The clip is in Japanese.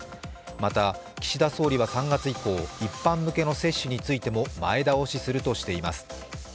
また、岸田総理は３月以降一般向けの接種についても前倒しすると表明しています。